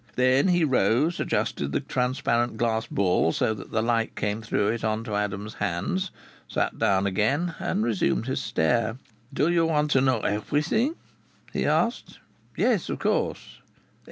Then he rose, adjusted the transparent glass ball so that the light came through it on to Adam's hands, sat down again and resumed his stare. "Do you want to know everything?" he asked. "Yes of course."